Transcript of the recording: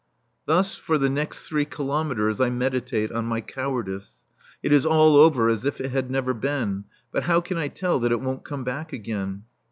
Thus, for the next three kilometres, I meditate on my cowardice. It is all over as if it had never been, but how can I tell that it won't come back again?